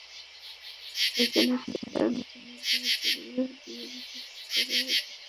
একজনের চেহারায় অন্যজনের দেহ জুড়ে দিয়ে বিশেষ কারও ভিডিও হিসেবে চালানো হয়েছে।